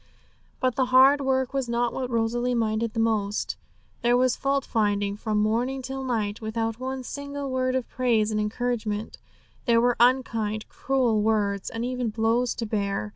But the hard work was not what Rosalie minded most. There was fault finding from morning till night, without one single word of praise and encouragement; there were unkind, cruel words, and even blows to bear.